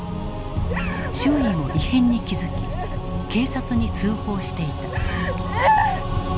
周囲も異変に気付き警察に通報していた。